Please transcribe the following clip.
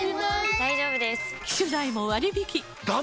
大丈夫です！